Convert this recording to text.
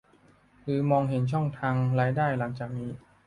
หรือมองเห็นช่องทางรายได้หลังจากนี้